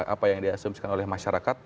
apa yang diasumsikan oleh masyarakat